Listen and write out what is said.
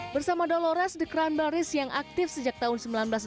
bersama dolores the crun baris yang aktif sejak tahun seribu sembilan ratus sembilan puluh